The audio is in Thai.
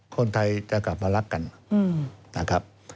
คนไทยจะกลับมารักกันนะครับ